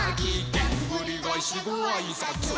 「デンぐりがえしでごあいさつー」